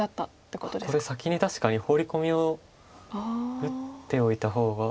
これ先に確かにホウリコミを打っておいた方が。